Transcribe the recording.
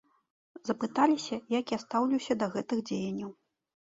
Запыталіся, як я стаўлюся да гэтых дзеянняў.